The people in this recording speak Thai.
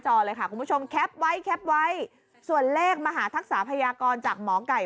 เห่งเห่งปังปังนะจ๊ะทุกคน